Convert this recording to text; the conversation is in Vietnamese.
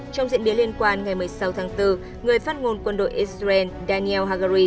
trong diễn biến liên quan ngày một mươi sáu tháng bốn người phát ngôn quân đội israel daniel hagari